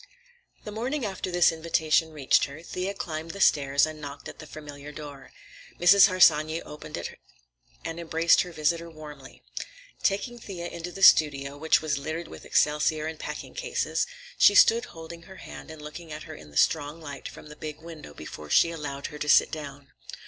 The morning after this invitation reached her, Thea climbed the stairs and knocked at the familiar door. Mrs. Harsanyi herself opened it, and embraced her visitor warmly. Taking Thea into the studio, which was littered with excelsior and packing cases, she stood holding her hand and looking at her in the strong light from the big window before she allowed her to sit down.